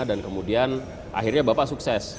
dan kemudian akhirnya bapak sukses